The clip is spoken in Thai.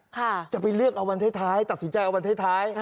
จะไปเลือกเอาวันท้ายตัดสินใจเอาวันท้าย